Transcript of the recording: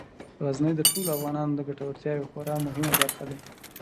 غزني د ټولو افغانانو د ګټورتیا یوه خورا مهمه برخه ده.